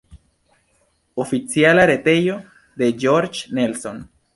Oficiala retejo de George Nelson.